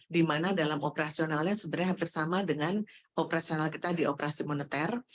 di mana dalam operasionalnya sebenarnya hampir sama dengan operasional kita di operasi moneter